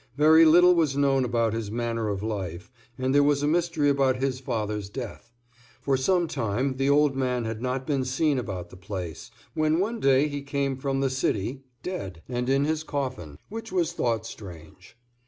Very little was known about his manner of life, and there was a mystery about his father's death. For some time the old man had not been seen about the place, when one day he came from the city, dead, and in his coffin, which was thought strange.